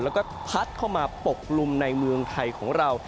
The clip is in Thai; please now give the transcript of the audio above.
แล้วก็พัดเข้ามาปกกลุ่มในเมืองไทยของเรา